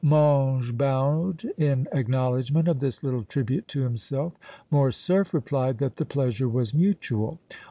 Mange bowed in acknowledgment of this little tribute to himself. Morcerf replied that the pleasure was mutual.